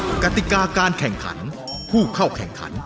กติกาการแข่งขันผู้เข้าแข่งขัน